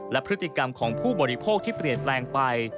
และพฤติกรรมของผู้บริโภคที่เปลี่ยนแปลงไป